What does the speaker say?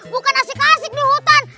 bukan asik asik nih hutan